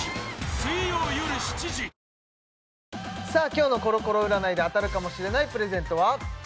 今日のコロコロ占いで当たるかもしれないプレゼントは？